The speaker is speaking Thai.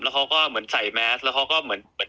เขาก็เหมือนใส่แมสแล้วเขาก็เหมือน